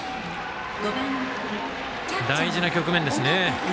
大事な局面ですね。